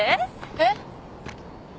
えっ？